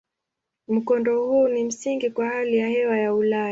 Mkondo huu ni msingi kwa hali ya hewa ya Ulaya.